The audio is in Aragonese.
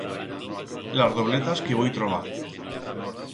Las dobletas que voi trobar.